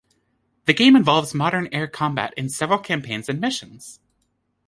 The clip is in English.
The game involves modern air combat in several campaigns and missions.